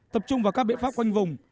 tập trung vào các biện pháp quanh vùng